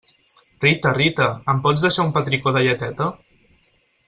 Rita, Rita, em pots deixar un petricó de lleteta?